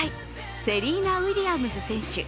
セリーナ・ウィリアムズ選手。